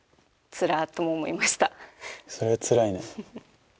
それはつらいね。